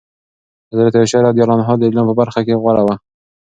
حضرت عایشه رضي الله عنها د علم په برخه کې غوره وه.